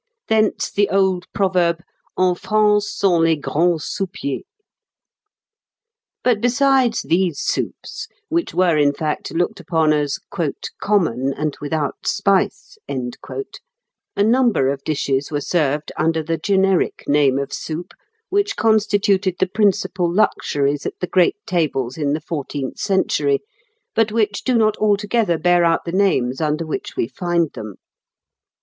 Thence the old proverb, "En France sont les grands soupiers." But besides these soups, which were in fact looked upon as "common, and without spice," a number of dishes were served under the generic name of soup, which constituted the principal luxuries at the great tables in the fourteenth century, but which do not altogether bear out the names under which we find them.